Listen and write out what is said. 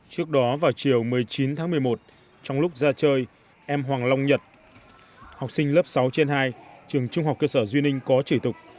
trước đó vào chiều một mươi chín tháng một mươi một trong lúc ra chơi em hoàng long nhật học sinh lớp sáu trên hai trường trung học cơ sở duy ninh có chửi tục